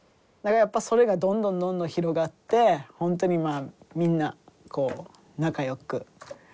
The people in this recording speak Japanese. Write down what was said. やっぱそれがどんどんどんどん広がって本当にみんなこう仲よく。